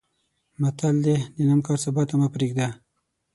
متل دی: د نن کار سبا ته مه پرېږده.